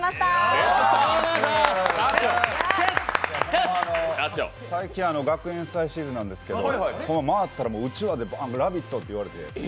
僕も最近、学園祭シーズンなんですけど回ったらうちわで「ラヴィット！」って言われて。